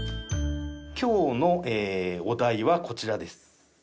今日のお題はこちらです。